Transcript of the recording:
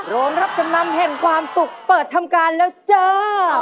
โรงรับจำนำแห่งความสุขเปิดทำการแล้วจ้า